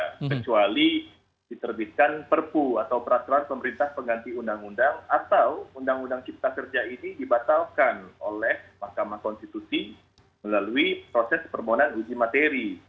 kecuali diterbitkan perpu atau peraturan pemerintah pengganti undang undang atau undang undang cipta kerja ini dibatalkan oleh mahkamah konstitusi melalui proses permohonan uji materi